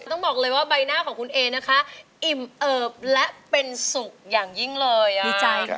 ต้องบอกเลยว่าใบหน้าของคุณเอนะคะอิ่มเอิบและเป็นสุขอย่างยิ่งเลยดีใจค่ะ